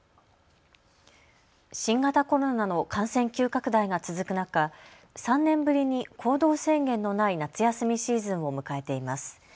新型コロナの感染急拡大が続く中、３年ぶりに行動制限のない夏休みシーズンを迎えています。